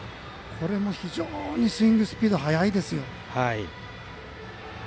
非常にスイングスピード速いです。